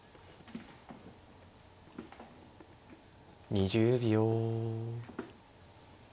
２０秒。